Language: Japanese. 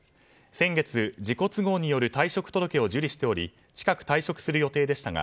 先月、自己都合による退職届を受理しており近く退職する予定でしたが